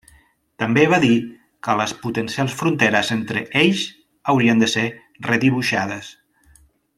També va dir que les potencials fronteres entre ells haurien de ser redibuixades.